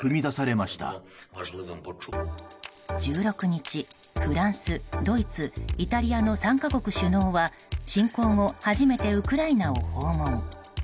１６日、フランス、ドイツイタリアの３か国首脳は侵攻後初めてウクライナを訪問。